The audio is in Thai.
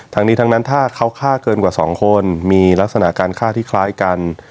ทั้งนี้ทั้งนั้นถ้าเขาฆ่าเกินกว่า๒คนมีลักษณะการฆ่าที่คล้ายกัน